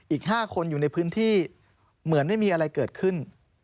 อีก๕คนอยู่ในพื้นที่เหมือนไม่มีอะไรเกิดขึ้น